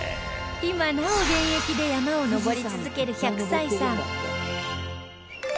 今なお現役で山を登り続ける１００歳さん